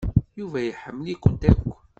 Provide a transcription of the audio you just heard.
Yuba iḥemmel-ikent akk.